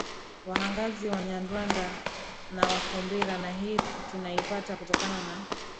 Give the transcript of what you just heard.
Wahangaza Wanyarwanda na Wafumbira na hii tunaipata kutokana na